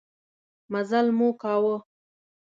مزلمو کاوه.